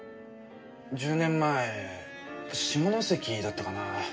１０年前下関だったかな？